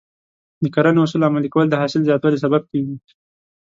د کرنې اصول عملي کول د حاصل زیاتوالي سبب کېږي.